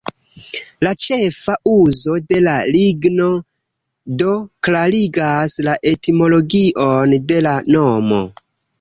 La ĉefa uzo de la ligno do klarigas la etimologion de la nomo.